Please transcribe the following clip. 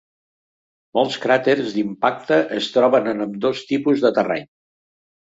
Molts cràters d'impacte es troben en ambdós tipus de terreny.